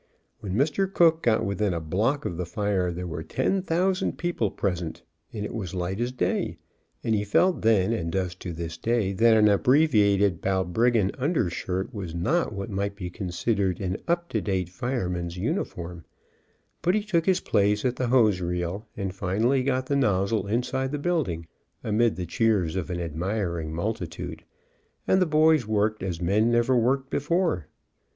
When Mr. Cook got within a block of the fire there were ten thousand people present, and it was light as day, and he felt then, and does to this day, that an abbreviated bal briggan undershirt was not what might be considered an up to date fireman's uniform, but he took his place at the hose reel and finally got the nozzle inside the building, amid the cheers of an admiring multi tude, and the boys worked as men never worked be fore.